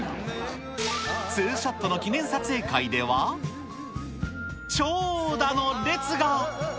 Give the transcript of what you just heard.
ツーショットの記念撮影会では、長蛇の列が。